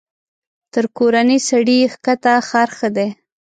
تر کورني سړي کښته خر ښه دى.